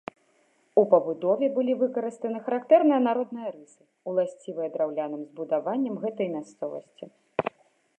У пабудове былі выкарыстаны характэрныя народныя рысы, уласцівыя драўляным збудаванням гэтай мясцовасці.